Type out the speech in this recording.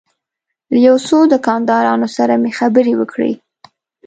له یو څو دوکاندارانو سره مې خبرې وکړې.